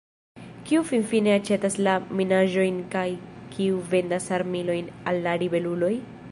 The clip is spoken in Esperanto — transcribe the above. Kiu finfine aĉetas la minaĵojn kaj kiu vendas armilojn al la ribeluloj?